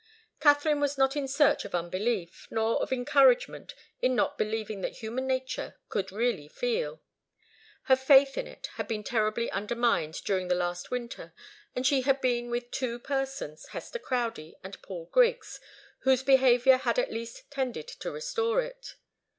Katharine was not in search of unbelief, nor of encouragement in not believing that human nature could really feel. Her faith in it had been terribly undermined during the past winter, and she had just been with two persons, Hester Crowdie and Paul Griggs, whose behaviour had at least tended to restore it.